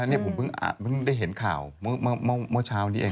อันนี้ผมเพิ่งได้เห็นข่าวเมื่อเช้านี้เอง